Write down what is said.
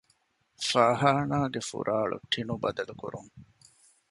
ފާޚާނާގެ ފުރާޅު ޓިނުބަދަލުކުރުން